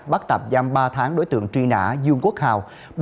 bắt tạm giam ba tháng đối tượng truy nã dương quốc hào